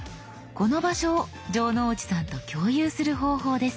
この場所を城之内さんと共有する方法です。